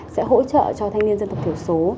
sẽ hỗ trợ cho thanh niên dân tộc thiểu số